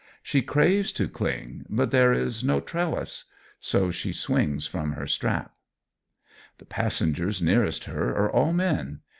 She craves to cling, but there is no trellis. So she swings from her strap. The passengers nearest her are all men.